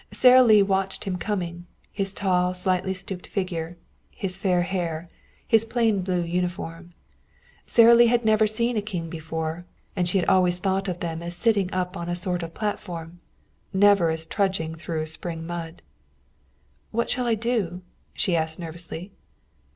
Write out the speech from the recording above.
Sara Lee watched him coming his tall, slightly stooped figure, his fair hair, his plain blue uniform. Sara Lee had never seen a king before, and she had always thought of them as sitting up on a sort of platform never as trudging through spring mud. "What shall I do?" she asked nervously.